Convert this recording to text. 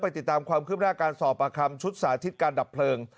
ติดตามความคืบหน้าการสอบประคำชุดสาธิตการดับเพลิง